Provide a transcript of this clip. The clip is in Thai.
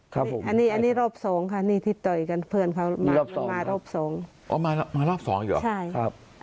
ครับผมอันนี้รอบสองค่ะนี่ที่ต่อยกันเพื่อนเขามารอบสองอ๋อมารอบสองอีกเหรอใช่